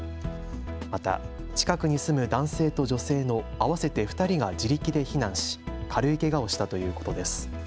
また、近くに住む男性と女性の合わせて２人が自力で避難し軽いけがをしたということです。